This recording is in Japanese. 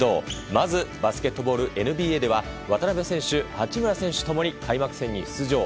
まず、バスケットボールＮＢＡでは渡邊選手八村選手共に開幕戦に出場。